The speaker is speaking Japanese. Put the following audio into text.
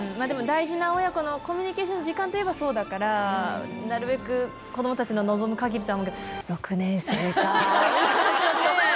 でも大事な親子のコミュニケーションの時間といえばそうだから、なるべく子どもたちの望むかぎりとは思うけど、６年生かー。